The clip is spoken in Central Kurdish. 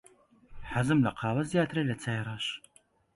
حەزم لە قاوە زیاترە لە چای ڕەش.